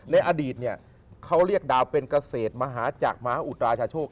ในอดีตเนี่ยเขาเรียกดาวเป็นเกษตรมหาจักรมหาอุตราชาโชค